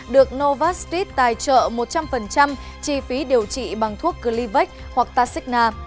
được novastreet tài trợ một trăm linh chi phí điều trị bằng thuốc glyvex hoặc tasigna